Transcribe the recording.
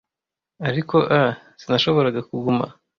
Ariko ah! Sinashoboraga kuguma!